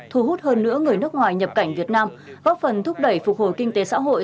thu hút hơn nữa người nước ngoài nhập cảnh việt nam góp phần thúc đẩy phục hồi kinh tế xã hội